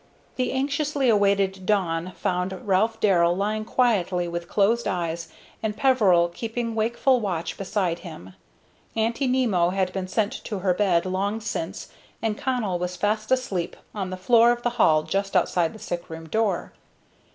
The anxiously awaited dawn found Ralph Darrell lying quietly with closed eyes and Peveril keeping wakeful watch beside him. Aunty Nimmo had been sent to her bed long since, and Connell was fast asleep on the floor of the hall just outside the sick room door.